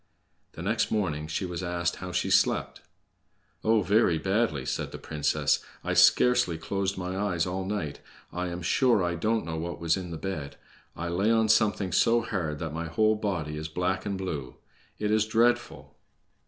The next morning she was asked how she had slept. "Oh, very badly!" said the princess. "I scarcely closed my eyes all night! I am sure I don't know what was in the bed. I lay on something so hard that my whole body is black and blue. It is dreadful!"